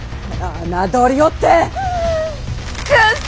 侮りおってくっ